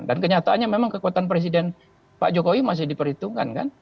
dan kenyataannya memang kekuatan presiden pak jokowi masih diperhitungkan